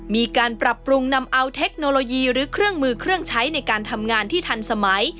มีการปรับปรุงนำเอาเทคโนโลยีหรือเครื่องมือเครื่องใช้ในการทำงานที่ทันสมัย